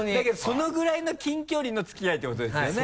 そのぐらいの近距離の付き合いってことですよね？